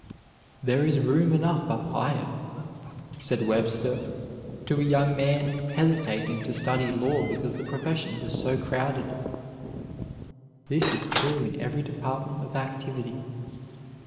"There is room enough up higher," said Webster to a young man hesitating to study law because the profession was so crowded. This is true in every department of activity.